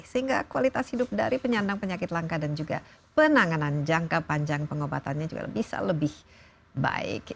sehingga kualitas hidup dari penyandang penyakit langka dan juga penanganan jangka panjang pengobatannya juga bisa lebih baik